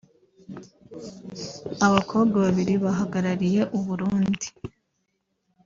Abakobwa babiri bahagarariye u Burundi